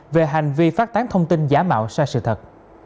về hành vi phát tán thông tin giả mạo sai sự thật